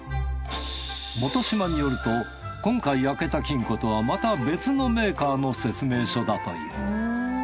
本嶋によると今回開けた金庫とはまた別のメーカーの説明書だという。